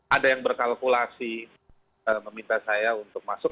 ada yang berkalkulasi meminta saya untuk masuk